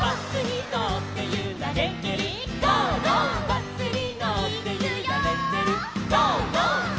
「バスにのってゆられてる」いくよ！